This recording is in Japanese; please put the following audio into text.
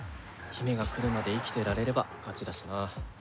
姫が来るまで生きてられれば勝ちだしな。